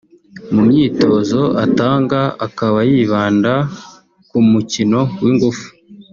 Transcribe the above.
mu myitozo atanga akaba yibanda ku mukino w’ingufu